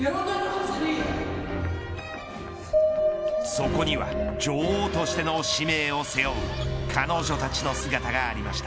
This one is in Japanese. そこには女王としての使命を背負う彼女たちの姿がありました。